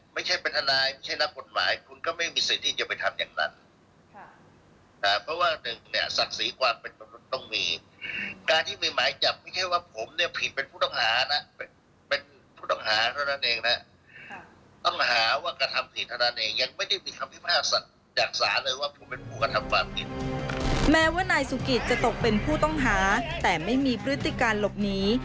แม้ว่าท่านแก่นายสุขิตจะตกเป็นผู้ต้องหาแต่ไม่มีพฤติการหลบนี้